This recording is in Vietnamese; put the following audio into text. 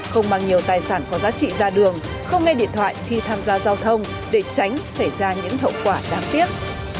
không mang nhiều tài sản có giá trị ra đường không nghe điện thoại khi tham gia giao thông để tránh xảy ra những hậu quả đáng tiếc